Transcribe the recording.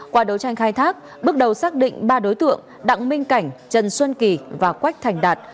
qua đấu tranh khai thác bước đầu xác định ba đối tượng đặng minh cảnh trần xuân kỳ và quách thành đạt